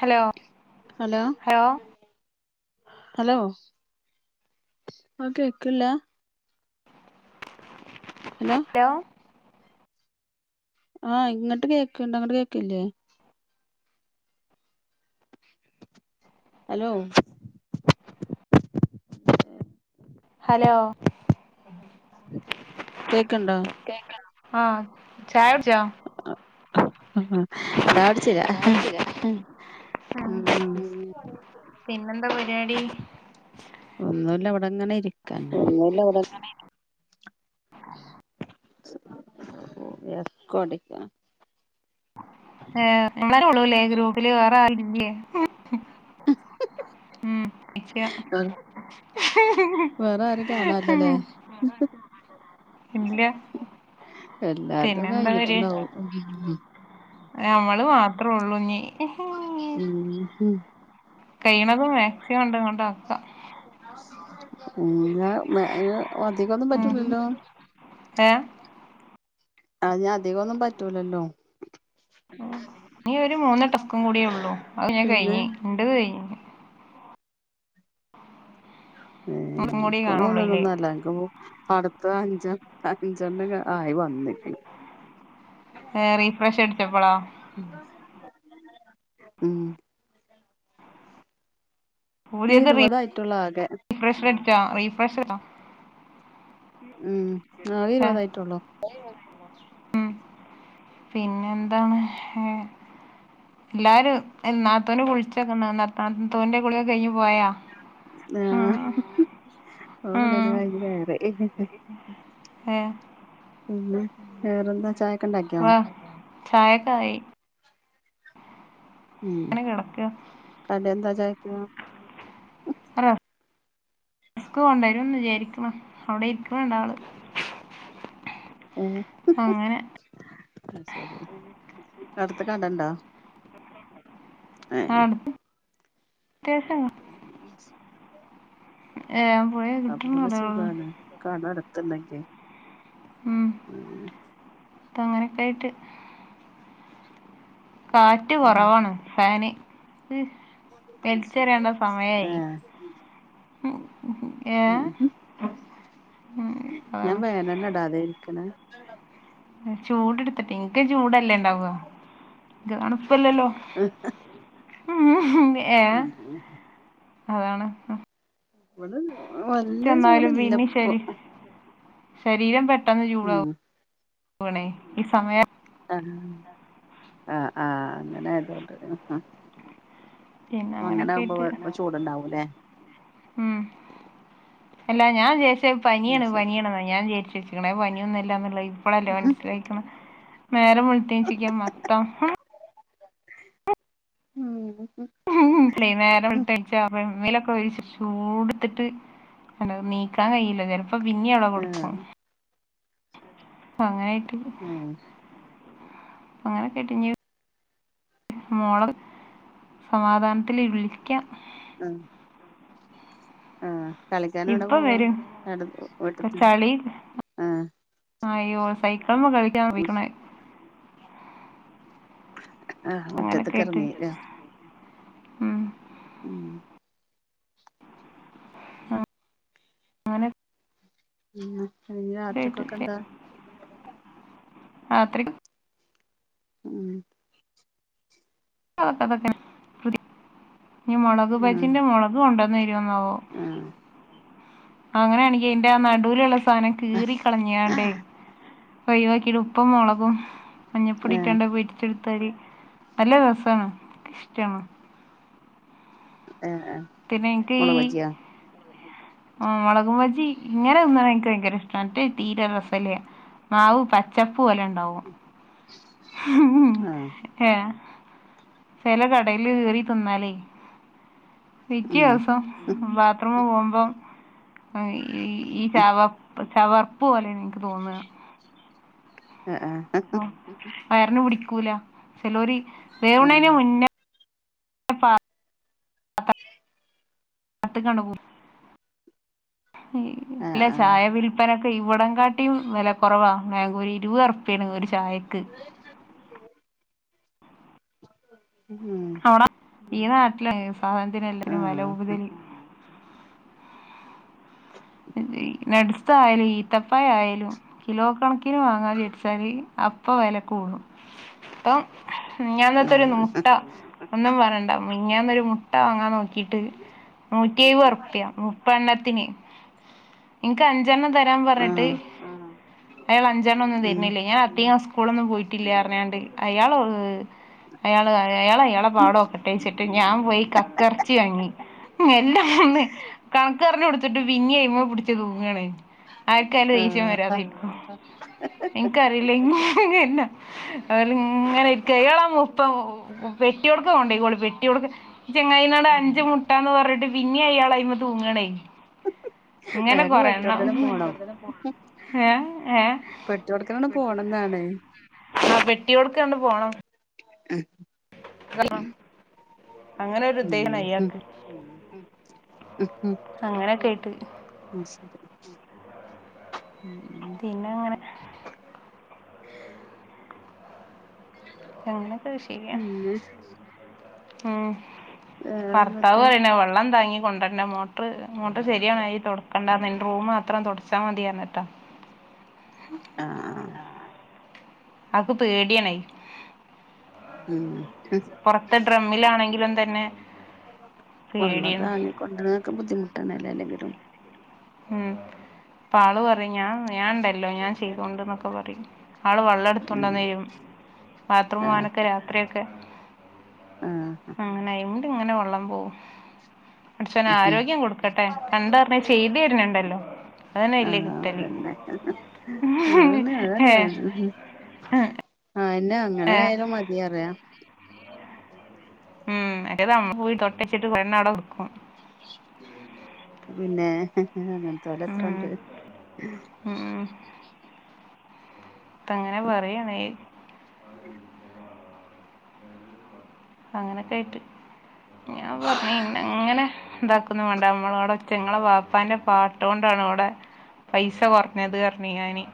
Hello? Hello hello ആഹ് കേക്ക്ല്ലാ hello? ലോ ആഹ് ഇങ്ങട്ട് കേക്ക്ണ്ട് അങ്ങട്ട് കേക്ക്ല്ലേ അലോ. ഹലോ കേക്ക്ണ്ടോ ആഹ് ചായുട്ച്ചോ അപ ചായകുടിചീലെ ചായ ഹ ഹാ കുടിച്ചില്ല ഹ്ഹും ഉം പിന്നെന്താ പരുവാടി ഒന്നുല്ല ഇവിടെങ്ങനെ ഇരിക്കന്നേ [unintelligible] ഓ എക്കോ അടിക്കാ ഏ നമ്മളെന്നെ ഒള്ളൂ അല്ലേ എ ഗ്രൂപ്പില് വേറെ ആരും ഇല്ല്യേ ഏ ഹ് ഹും ഉം ഇഷ്യ ഹ് ഹ് വേറെ ആരും കാണാല്ലല്ലേ ഹും ഹേ ഇല്ല്യ പിന്നെ എല്ലാര്തും എന്താ പറയ കഴിഞ്ഞിട്ടുണ്ടാവും നമ്മള് മാത്രള്ളൂ ഇഞി ഹ് ഹും ഉം ഹും കയ്യ്ണതും മാക്സിമംണ്ട് അങ്ങണ്ടാക്ക [unintelligible] അധികൊന്നും ഉം പറ്റൂലല്ലോ ഏഹ് അത് ഞാ അധികൊന്നും പറ്റൂലല്ലോ ഇനി ഒരു മൂന്ന്! ! ! ! ! ! കൂടിയേ ഉള്ളൂ അത് ഞാൻ പിന്നെ കഴിഞ് ഇന്റെത് കഴിഞ് ഏ കൂടി ഇൻക്ക് കാണുള്ളൂ അയില് മൂന്നെണ്ണൊന്നു [unintelligible] ഓ അടുത്ത അഞ്ചാ അഞ്ചെണ്ണംക ആയി വന്നെ റീഫ്രഷ് ഉം. അടിച്ചപ്പളാ ഉം ഇരുവതായിട്ടൊള്ളൂ ആകെ ഫ്രഷറ് അടിച്ചോ റീഫ്രഷടിച്ചോ ഉം ആ അത് ഇരുപതായിട്ടൊള്ളൂ ഉം പിന്നെന്താണ് ഏ ല്ലാരും നാത്തുന് കുളിച്ച് [unintelligible] നാത്തൂന്റെ കുളിയെകഴിഞ്ഞ് പോയാ ഉം ആഹ്ഹ്ഹ് ഓ കുളിയക്കെ ഉം കയ്ഞ് കേറി ഏ പിന്നെ വേറെന്താ ചായ വാഹ് ചായക്കായി ഉം അങ്ങനെ കിടക്കുക കടി എന്താ ചായക്ക് ആഹ് ഇക്ക കൊണ്ടുവരുംന്ന് വിചാരിക്ക്ണ് അവിടെ ഇരിക്കണ് ണ്ടാള് [unintelligible] അടുത് കടാണ്ടോ ആഹ് ഏ, പോയി അപ്പൊ കിട്ടണം പിന്നെ കടകളിൽ സുഖാണ് [unintelligible] ന്താണ്ടാക്ക്യെ ഉം തങ്ങനെയൊക്കെയായ് കാറ്റ് കൊറവാണ് ഫാന് വെലിച്ചെറിയേണ്ട സമയായി ഏഹ് ഏ ഉം ഉം ഞാൻ അതാണ് ഫേനൊന്നുടാതേരിക്ക്ണേ ചൂടെട്ത്തിട്ടെ ഇക്ക് ചൂടല്ലേ ഇണ്ടാവ തണുപ്പല്ലല്ലോ ഏഹെ ഏ ഉം അതാണ് വ്ടെ വല്യ എന്നാലും പിന്നെ ചൂട്ല്ലപ്പൊ ശരി ശരീരം പെട്ടെന്ന് ഉം ചൂടാവും വണേ ഈ സമയം ആഹ് ആഹ് ആഹ് അങ്ങനായതോണ്ട് പിന്നെ അങ്ങനൊക്കെ അങ്ങനവ്മ്പോ ആയിട്ട് വെ ചൂടുണ്ടാവൂല്ലേ ഉം അല്ലാ ഞാൻ വിചാ ആഹ് പനിയാണ് ശരി പനിയണെന്നാ ഞാൻ വിയാരിച്ചെച്ചേക്കണേ പനിയൊന്നുല്ലാന്നൊള്ളെ ഇപ്പോളല്ല ആഹ് മനസ്സിലായിക്കണ് നേരം വെള്തേച്ചിക്ക് മൊത്തം ഉം [unintelligible] നേരം വെൾത്തെൺച്ചാറിം. [unintelligible] ചൂടുത്തിട്ട് [unintelligible] നീക്കാൻ കയില്ല ചെലപ്പോ പിന്നീ അവിടെ കൊടുക്കും അങ്ങനെയീട്ട് ആഹ് അങ്ങനെ കേട്ട് ഞു മോള് സമാധാനത്തില് വിളിക്കാം. ആഹ് ആഹ് കളിക്കാൻ എവ്ട ഇപ്പൊ പോവാ വരും അടുത്ത് ഇപ്പൊ വീട്ടത്ത് ചളി ആഹ്. [unintelligible] ആഹ് അങ്ങനൊക്കെ മുറ്റത്തക്ക് ആയിട്ട് ഇറങ്ങി ആഹ് ഉം മ്ഹ് ആഹ് അങ്ങനെ [unintelligible] രാത്രിക്കൊക്കെ [unintelligible] എന്താ രാത്രി ആഹ് അതൊക്കെ അതൊക്ക [unintelligible] ഇനി മൊളക് ഉം ബജീന്റെ മൊളക് കൊണ്ടുവന്ന് തരൂ ന്നോ ആവോ ആഹ് അങ്ങനെയാണങ്കി അതിന്റെ ആ നടൂലുള്ള സാനം കീറി കളിഞ്ഞാണ്ടേ ഒഴിവാക്കി ഇപ്പും മൊളകും മഞ്ഞപ്പൊടി ആഹ് ഇട്ടണ്ട് പോരി ചെക്ത്തരി നല്ല രസാണ് ക്ക് ഇഷ്ടാണ്. ആഹ് ആഹ് പിന്നെ ഇൻക്ക് ഈ മുളക് ബജിയോ ആഹ് മൊളക് ബജി ഇങ്ങനെ തിന്ന എനിക്ക് ഭയങ്കര ഇഷ്ടാണ് മറ്റേ തീരെ റസല്ല്യ മാവ് പച്ചപ്പ് പോലെ ഉണ്ടാവും ആഹ് ഏഹ് ചെല കടേല് കേറി തിന്നാലേ മിക്ക ഉം ദിവസം ബാത്ത്റൂമ് പോവുമ്പം ഈ ചവപ്പ് ചവർപ്പ് പോലെയാണ് എനിക്ക് തോന്ന അ ആഹ് ഉമ് വയറിന് പിടിക്കൂല ചിലോര് വേവുണേന് ആഹ് മുന്നേ [unintelligible] ആഹ് ആഹ് പ്പനൊക്കെ ഇവിടം കാട്ടി വെല കുറവാ മാങ്കൂര് ഇരുവർപ്പിയാണ് ഒരു ചായക്ക് മ്മ് [inaudible] ഈ നാട്ടില് സാധത്തിന് അല്ലേലും വെല ആഹ് കൂടുതല്. നട്സായാലും ഈത്തപ്പഴായാലും കിലോ കണക്കിന് വാങ്ങാ വിചാരിച്ചാല് അപ്പൊ വെല കൂടും ഇപ്പം മെഞ്ഞത്തെരു ആഹ് മുട്ട ഒന്നും പറയണ്ട മിഞ്ഞാന്ന് ഒര് മുട്ട വാങ്ങാൻ നോക്കി ട്ട് നൂറ്റിയെഴുവ റുപ്പ്യ മുപ്പെണ്ണത്തിന് ഇൻക്ക് അഞ്ചെണ്ണം തരാൻ പറഞ്ഞിട്ട് ആഹ് ഉം അയാൾ അഞ്ചെണ്ണം ഒന്നും ഉം തരുന്നില്ല ഞാൻ അധികം സ് സ്കൂളൊന്നും പോയിട്ടില്ല്യ പറഞ്ഞാണ്ട് അയാള് അയാള് അയാൾ അയാളെ പാട് ഓക്കട്ടേ വെച്ചിട്ട് ഞാൻ പോയി കക്ക എറച്ചി വാങ്ങി. എല്ലാം ഒന്ന് കണക്ക് പറഞ്ഞ് കൊടുത്തിട്ട് പിന്നേ അയ്മെ പിടിച്ച് തൂങ്ങാണ് ആർക്കായാലും ദേഷ്യം വരാതെ ആഹ് എനക്കറിയില്ല ഇനി എന്നാ അയാള് ഇങ്ങനെ നിക്ക അയാള് ആ മൊത്തം പെട്ടിയോടുക്ക് കൊണ്ടുപൊയ്ക്കോളി പെട്ടിയോടുക്ക് ചെങ്ങായിനോട് അഞ്ച് മുട്ടാന്ന് പറഞ്ഞിട്ട് പിന്നെയും അയാള് അയ്മേ തൂങ്ങാണേ. [unintelligible] ഇങ്ങനെ കൊറെണ്ണം ഏഹ് ഏഹ് ക്കണം പോണം ന്നാണ് ആഹ് പെട്ടിയോടുക്കങ്ങട് പോണം ഹ് അങ്ങനൊരു ഇതേണ് അയാക്ക് [unintelligible] ഉം അങ്ങനെയൊക്കെ ആയിട്ട് മുഷീദ് ഉം പിന്നങ്ങനെ അങ്ങനൊക്കെത് ശരിയ പിന്നെ ഉം ഭർത്താവ് വേറെന്തൊക്കെ വരണം വെള്ളം താങ്ങി കൊണ്ടുവരണം മോ ട്ടർ മോട്ടർ ശരിയായി- തുടക്കണ്ടാന്നഎന്റെ റൂം മാത്രം തുടച്ചാൽ മതിയർന്നിട്ടാ. ആഹാ... ! ആക്ക് പേടിയാണെ. ഉം.. ! പുറത്ത് ഡ്രമ്മിലാണെങ്കിലും തന്നെ- വള്ളം പേടിയാണ് താങ്ങി കൊണ്ടരാനൊക്കെ ബുദ്ധിമുട്ടന്നല്ലേ എല്ലെങ്കിലും ഉം പ്പ ആള് പറയും ഞാ ഞാൻ ണ്ടല്ലോ ഞാൻ ചെയ്തോണ്ട് ന്നൊക്കെ പറയും ആള് വെള്ളം ഉം എട്ത്തുണ്ടോന്നരും ബാത്റൂമിൽ പോവാനൊക്കെ രാത്രി ഒക്കെ ആഹാ... ! അങ്ങനെ അയിണ്ട് ങ്ങനെ വെള്ളം പോവും പടച്ചോൻ ആരോഗ്യം കൊടുക്കട്ടെ കണ്ടറിഞ്ഞ് ചെയ് തിരുന്നുണ്ടല്ലോ. അതന്നെ ല് ആഹ് കിട്ടല് അതന്നെ അതന്നെ ഹേ... ! ആഹാ എന്നെ അങ്ങനെ ആയാലും, മതി അറിയണ്. ഉം എന്നിട്ട് നമ്മ പോയി് തൊട്ടെച്ചിട്ട് കുയിന്നവിടെ വെക്കും പിന്നെ ഹ് ഹ് ഉം അങ്ങൻതോലത്രണ്ട് ഉം അങ്ങനെ പറയണെ. [unintelligible] അങ്ങനൊക്കെ ആയിട്ട് ഞാൻ പറഞ്ഞി ഇന്നെ അങ്ങനെ ഇന്താക്കുന്നു വേണ്ട നമ്മളവിടെ- ഒച്ചങ്ങളെ വാപ്പാന്റെ പാട്ട് കൊണ്ടാണ് ഇവടെ, പൈസ കുറഞ്ഞത് അറഞ്ഞ് ഞാന്.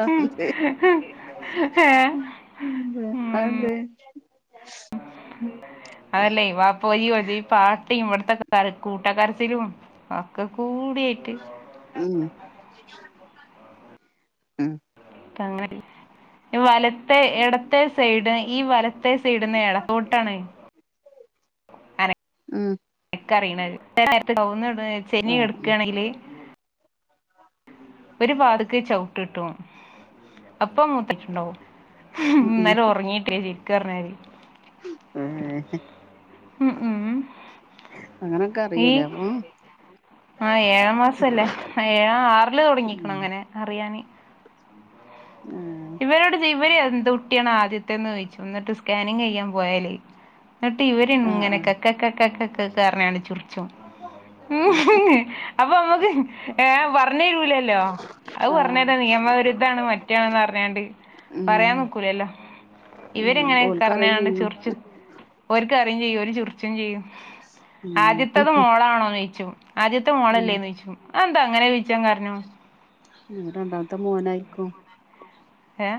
അതെന്തേ ഹേ... ! ഉം ബെ അതെന്തെ അതല്ലേ വാപ്പോരിം പാട്ടീം ഇവിടത്തെ കര കൂട്ടക്കരച്ചിലും ഒക്കെകൂടി ആയിട്ട് ഉം ഉം... ! ങ്ങനെ വലത്തെ ഇട- ത്തെ സൈഡ് ഈ വലത്തെ സൈടിന്ന് ഇടത്തോട്ടാണ് ഉം... ! ഇക്ക അറിയിണ [unintelligible] ആഹ് ടുക്കുകയാണെങ്കില്, ഒരു പാതിക്ക് ചവുട്ട് കിട്ടും അപ്പൊ മൂത്തച്ചിണ്ടാവും ഉം ഉം ഇന്നലെ ഉറങ്ങീട്ടേ ശരിക്ക് പറഞ്ഞാല് ഏ ഹ് ഉം ഉം അങ്ങനൊക്കെ അറിയൂലേ അപ്പോ? ആഹാ ഏഴാം മാസം അല്ലേ, ഏഴാ- ആറില് തുടങ്ങിക്കണം അങ്ങനെ അറിയാന്. ആഹാ... ! ഇവരോട് ഇവര് എന്ത് കുട്ടിയാണ് ആദ്യത്തെന്ന് ചോയിച്ചും എന്നിട്ട് സ്കാനിങ് ചെയ്യാൻ പോയാല് എന്നിട്ട് ഇവര് ആഹ് ഇങ്ങനെ ആഹ് കക്ക കക്ക കക്ക ക്കറിഞ്ഞാണ്ട് ങ്ങനെ ചിർച്ചും ഉം അപ്പോ നമ്മുക്ക് ഏ പറഞ്ഞരൂലല്ലോ. അത് ആഹ് പറഞ്ഞതാ നിയമവിരുദ്ധണ് മറ്റാണ്‌ ന്നർ വേണ്ടി ഉം പറയാനിക്കൂലല്ലോ ഉം ഇവരെങ്ങനെ ഓൽക്കറിയും കർഞ്ഞാണ്ട് ചെയ്യും ചിർച്ച് ഒരുക്ക് അറിയും ചെയ്യും, ഒരു ചെറിച്ചും ചെയ്യും. ഉം ആദ്യത്തത് മോളാണോ നോയിച്ചും. ആദ്യത്തെ ഉം മോളല്ലേന്ന് ചോയിച്ചും അതെന്താ അങ്ങനെ ചോയിച്ചാൻ കാരണം ഉം രണ്ടാമത്തെ മോന ആയിക്കും. ഹേ... !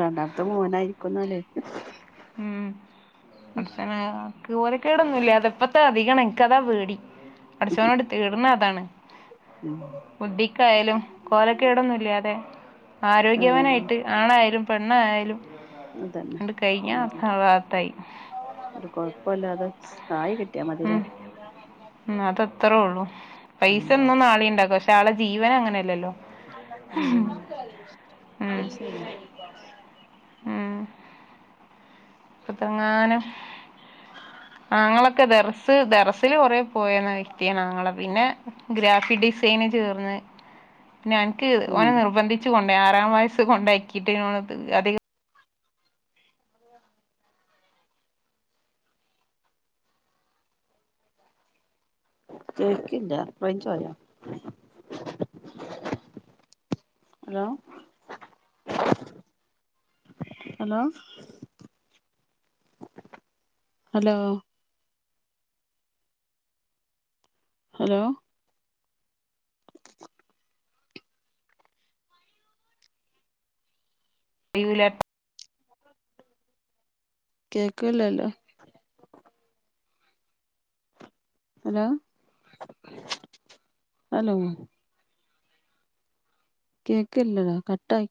രണ്ടാമത്തെ മൂനായിരിക്കുന്നാല്. ഉം അടുത്തെ ന്നെദ [unintelligible] കോല കേടൊന്നുല്ലാതെ ഇപ്പത്തെ അധികം ആണ് എനിക്ക് അതാ പേടി പടച്ചോനോട് തേട്ണത് അതാ ണ്. ബുദ്ധിക്കായാലും കോലക്കേടൊന്നുല്ലാതെ ആഹ് ആരോഗ്യവാനായിട്ട് ആണായാലും പെണ്ണായാലും അതന്നെ ഞ [unintelligible] ഒരു കൊഴപുല്ലാതെ ആയി കിട്ടിയാ മതി. ഉം ഉം അതത്രേ ഉള്ളൂ പൈസ ഒന്നും നാളണ്ടാക്ക മയാളെ ജീവനങ്ങനെ മ്മ് ഉം. അയ്ശരി [inaudible] ഇപ്പതങ്ങാനും ആങ്ങളോക്കെ ദെറസ് ദെറസില് കൊറെ പോയെന്ന വ്യക്തിയാണ് ആങ്ങള പിന്നെ ഗ്രാഫിക് ഡിസൈന് ചേർന്ന് ഞാൻ ഉം ഓനെ നിർബന്ധിച്ച് കൊണ്ട ആറാം വയസ്സ് കൊണ്ടക്കിട്ട് അധികം അത ചേക്കില്ല റേഞ്ച്പോയോ ഹലോ ഹലോ ഹലോ ഹലോ ഇല്ല കേക്ക്‌ലല്ലോ ഹലോ? ഹലോ? കേക്കില്ലടോ കട്ടായി